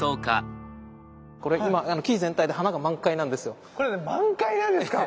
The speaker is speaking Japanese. これ今木全体で花が満開なんですよ。